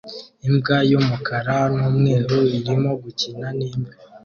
Imbwa y'umukara n'umweru irimo gukina n'imbwa